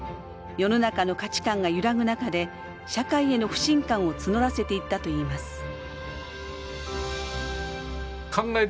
世の中の価値観が揺らぐ中で社会への不信感を募らせていったといいます。